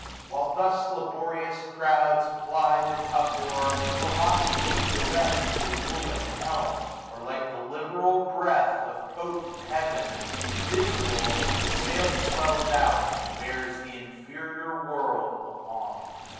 While thus laborious crowds Ply the tough oar. Philosophy directs The ruling helm ; or like the liberal breath Of potent Heaven, invisible, the sail Swells out, and bears th' inferior world along.